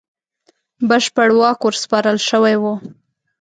بشپړ واک ورسپارل شوی وو.